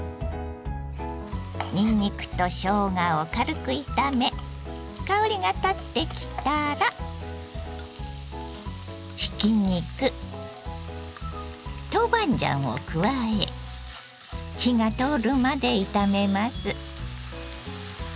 にんにくとしょうがを軽く炒め香りがたってきたらひき肉豆板醤を加え火が通るまで炒めます。